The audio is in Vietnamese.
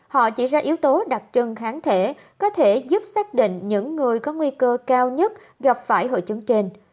họ chỉ ra yếu tố đặc trưng kháng thể có thể giúp xác định những người có nguy cơ cao nhất gặp phải hội chứng trên